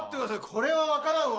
これはわからんわ！